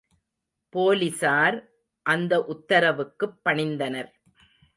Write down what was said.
போலிஸார் அந்த உத்தரவுக்குப் பணிந்தனர்.